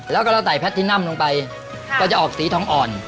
แล้วก็เราใส่แพทินัมลงไปก็จะออกสีทองอ่อน